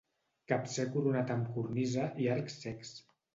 Capcer coronat amb cornisa i arcs cecs.